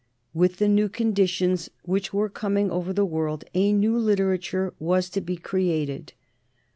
With the new conditions which were coming over the world a new literature was to be created.